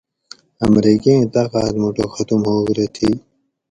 امریکیں طاقات موٹو ختم ہوگ رہ تھی